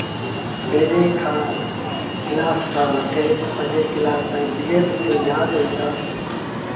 پيريٚݩ ڪلآس کآݩ وٺي پنجيٚن ڪلآس تائيٚݩ بيگر ڏٺي يآد هوئيٚتآ۔